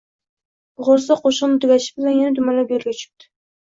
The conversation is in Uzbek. Bo’g’irsoq qo’shig’ini tugatishi bilan yana dumalab yo’lga tushibdi